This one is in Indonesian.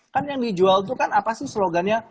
kan yang dijual tuh kan apa sih slogannya